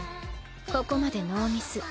ここまでノーミス。